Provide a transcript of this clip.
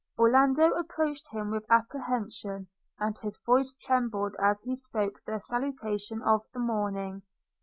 Orlando approached him with apprehension, and his voice trembled as he spoke the salutation of the morning.